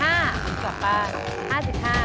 หรือกลับปาก๕๕บาท